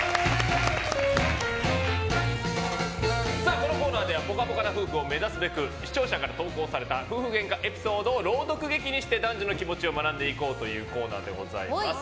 このコーナーではぽかぽかな夫婦を目指すべく視聴者から投稿された夫婦ゲンカエピソードを朗読劇にして男女の気持ちを学んでいこうというコーナーでございます。